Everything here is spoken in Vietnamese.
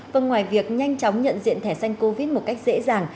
vâng ngoài việc nhanh chóng nhận diện thẻ xanh covid một cách dễ dàng